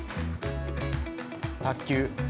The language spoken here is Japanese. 卓球。